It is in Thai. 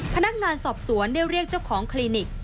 พนักงานสอบสวนได้เรียกเจ้าของคลินิก